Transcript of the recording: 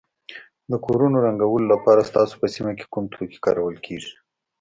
د کورونو رنګولو لپاره ستاسو په سیمه کې کوم توکي کارول کیږي.